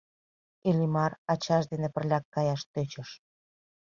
Иллимар ачаж дене пырляк каяш тӧчыш.